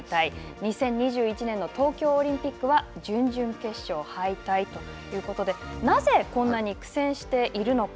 ２０２１年の東京オリンピックは準々決勝敗退ということで、なぜ、こんなに苦戦しているのか。